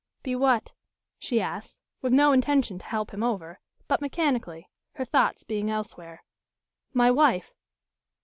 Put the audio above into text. "Be what?" she asks, with no intention to help him over, but mechanically, her thoughts being elsewhere. "My wife?"